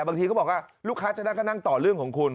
บางทีเขาบอกว่าลูกค้าจะได้ก็นั่งต่อเรื่องของคุณ